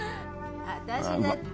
私だって。